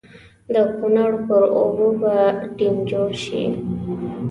د کنړ پر اوبو به ډېم جوړ شي.